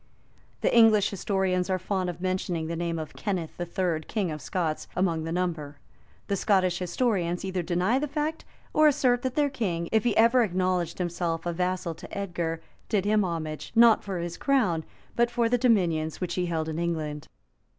[] The English historians are fond of mentioning the name of Kenneth III., king of Scots, among the number: the Scottish historians either deny the fact, or assert that their king, if ever he acknowledged himself a vassal to Edgar, did him homage, not for his crown, but for the dominions which he held in England.